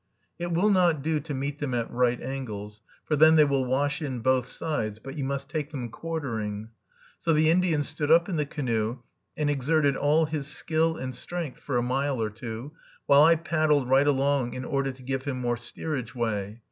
It will not do to meet them at right angles, for then they will wash in both sides, but you must take them quartering. So the Indian stood up in the canoe, and exerted all his skill and strength for a mile or two, while I paddled right along in order to give him more steerage way.